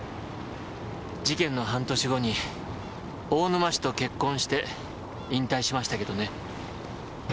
事件の半年後に大沼氏と結婚して引退しましたけどね。